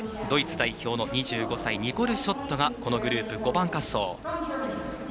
ドイツ代表の２５歳ニコル・ショットがこのグループ５番滑走。